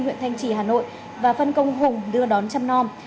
huyện thanh trì hà nội và phân công hùng đưa đón trăm non